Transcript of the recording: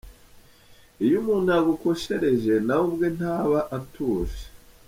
Iyo umuntu yagukoshereje nawe ubwe ntaba atuje.